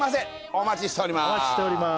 お待ちしております